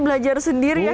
belajar sendiri ya